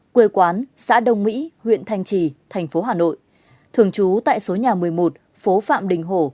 quê quán xã đông mỹ huyện thanh trì thành phố hà nội thường trú tại số nhà một mươi một phố phạm đình hổ